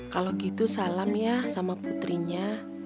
kalau gitu salam ya sama putrinya